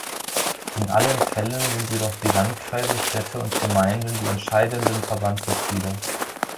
In allen Fällen sind jedoch die Landkreise, Städte und Gemeinden die entscheidenden Verbandsmitglieder.